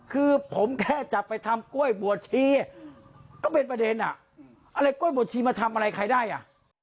คือผมแค่จะไปทำกล้วยบัวชีก็เป็นประเด็นอ่ะอะไรกล้วยบัวชีมาทำอะไรใครได้อ่ะ